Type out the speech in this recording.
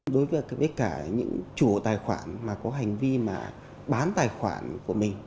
đối với cả những chủ tài khoản mà có hành vi mà bán tài khoản của mình